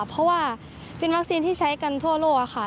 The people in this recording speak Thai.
เพราะว่าเป็นวัคซีนที่ใช้กันทั่วโลกค่ะ